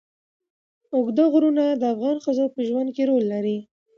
اوږده غرونه د افغان ښځو په ژوند کې رول لري.